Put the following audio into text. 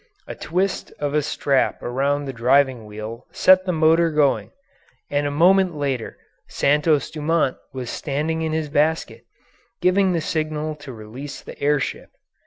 A twist of a strap around the driving wheel set the motor going, and a moment later Santos Dumont was standing in his basket, giving the signal to release the air ship.